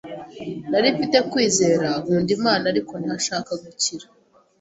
Nari mfite kwizera, nkunda Imana ariko ntashaka gukira.